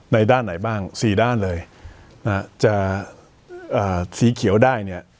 ด้านไหนบ้างสี่ด้านเลยจะสีเขียวได้เนี่ย